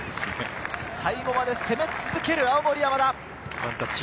最後まで攻め続ける青森山田。